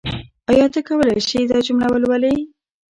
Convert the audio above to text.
آیا ته کولای شې دا جمله ولولې؟